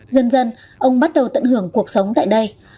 dần dần ông bắt đầu tận hưởng cuộc sống tại đây